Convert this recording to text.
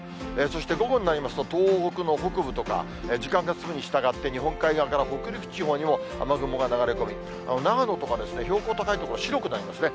そして午後になりますと、東北の北部とか、時間が進むにしたがって、日本海側から北陸地方にも雨雲が流れ込み、長野とか標高高い所、白くなりますね。